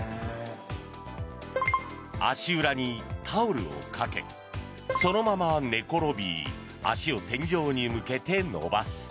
足裏にタオルをかけそのまま寝転び足を天井に向けて伸ばす。